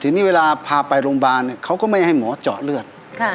ทีนี้เวลาพาไปโรงพยาบาลเขาก็ไม่ให้หมอเจาะเลือด